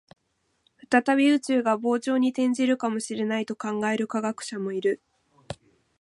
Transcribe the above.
再び宇宙が膨張に転じるかもしれないと考える科学者もいる